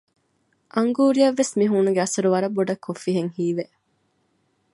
އަންގޫރީއަށް ވެސް މިހޫނުގެ އަސަރު ވަރަށް ބޮޑަށް ކޮށްފިހެން ހީވެ